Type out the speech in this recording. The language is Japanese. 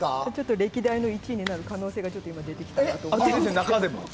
歴代の１位になる可能性が今、出てきたなと思っています。